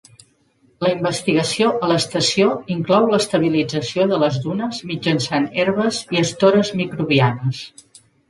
La investigació a l'estació inclou l'estabilització de les dunes mitjançant herbes i estores microbianes.